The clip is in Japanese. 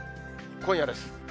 今夜です。